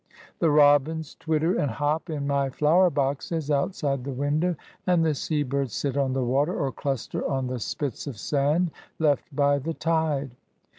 The robins twitter and hop in my flower boxes, outside the window ; and the sea birds sit on the water, or cluster on the spits of sand left by the tide.